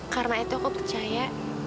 karena itu aku percaya